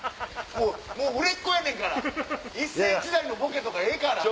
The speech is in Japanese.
もう売れっ子やねんから一世一代のボケとかええから。